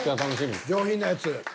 上品なやつ。